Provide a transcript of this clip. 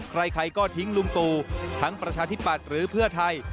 ใครก็ทิ้งลุงตู่ทั้งประชาธิปัตย์หรือเพื่อไทย